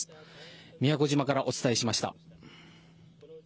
宮古島からお伝えしました。